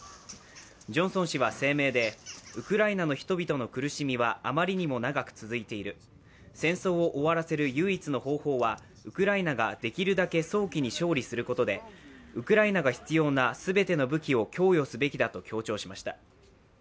ジョンソン氏は声明でウクライナの人々の苦しみはあまりにも長く続いている、戦争を終わらせる唯一の方法はウクライナができるだけ早期に勝利することでウクライナが必要な全ての武器を供与すべきだと強調しました。